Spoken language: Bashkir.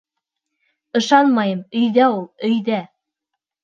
Ышанмайым, өйҙә ул, өйҙә!